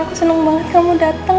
saya seneng banget kamu dateng